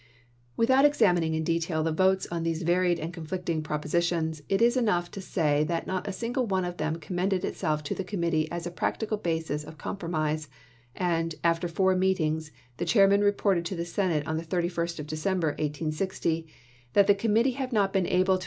Without examining in detail the votes on these varied and conflicting propositions, it is enough to say that not a single one of them commended itself to the Committee as a practical basis of com promise; and, after four meetings, the chairman reported to the Senate on the 31st of December, 1860, "that the Committee have not been able to ibid.